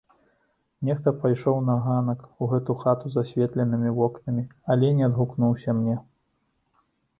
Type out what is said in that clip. Нехта пайшоў на ганак, у гэтую хату з асветленымі вокнамі, але не адгукнуўся мне.